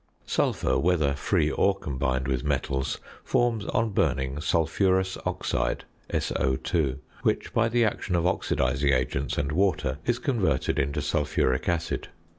Sulphur, whether free or combined with metals, forms, on burning, sulphurous oxide (SO_), which by the action of oxidising agents and water is converted into sulphuric acid.